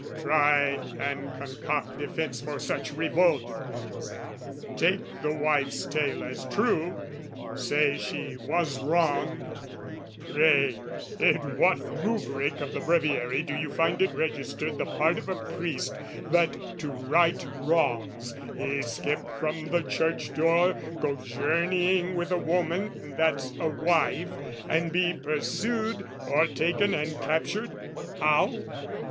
Try and concoct defence for such revolt! Take the wife's tale as true, say she was wronged, Pray, in what rubric of the breviary Do you find it registered the part of a priest That to right wrongs he skip from the church door, Go journeying with a woman that's a wife, And be pursued, o'ertaken, and captured...how?